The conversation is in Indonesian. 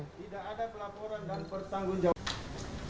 tidak ada pelaporan dan pertanggung jawaban